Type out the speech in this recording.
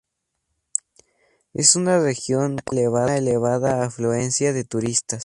Es una región con una elevada afluencia de turistas.